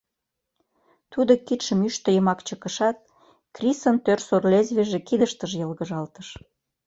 Тудо кидшым ӱштӧ йымак чыкышат, крисын тӧрсыр лезвийже кидыштыже йылгыжалтыш.